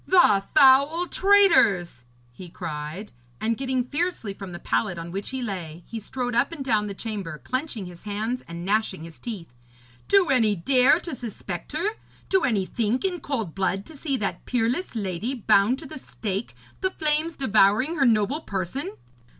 'The foul traitors!' he cried, and, getting fiercely from the pallet on which he lay, he strode up and down the chamber clenching his hands and gnashing his teeth. 'Do any dare to suspect her do any think in cold blood to see that peerless lady bound to the stake, the flames devouring her noble person?